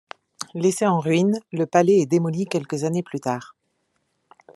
Laissé en ruine, le palais est démoli quelques années plus tard.